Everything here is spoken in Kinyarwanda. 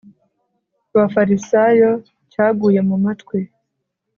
abafarisayo cyaguye mu matwi